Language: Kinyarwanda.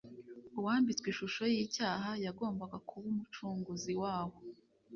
“uwambitswe ishusho y’icyaha” yagombaga kuba umucunguzi wabo.